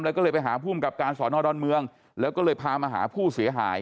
แล้วก็เลยไปหาภูมิกับการสอนอดอนเมืองแล้วก็เลยพามาหาผู้เสียหาย